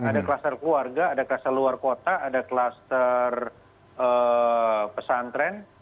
ada kluster keluarga ada kluster luar kota ada kluster pesantren